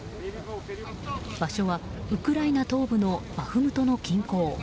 場所はウクライナ東部のバフムトの近郊。